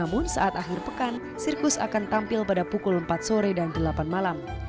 maka sirkus akan tampil pada pukul empat sore dan delapan malam